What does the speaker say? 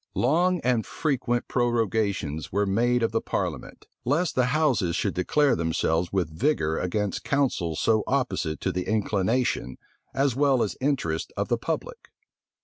} Long and frequent prorogations were made of the parliament; lest the houses should declare themselves with vigor against counsels so opposite to the inclination as well as interests of the public.